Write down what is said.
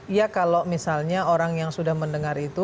iya kalau misalnya orang yang sudah mendengar itu